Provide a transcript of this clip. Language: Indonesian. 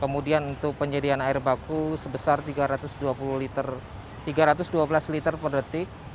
kemudian untuk penyediaan air baku sebesar tiga ratus dua belas liter per detik